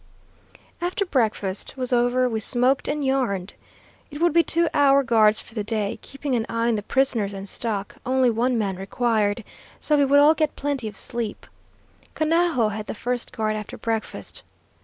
After breakfast was over we smoked and yarned. It would be two hour guards for the day, keeping an eye on the prisoners and stock, only one man required; so we would all get plenty of sleep. Conajo had the first guard after breakfast.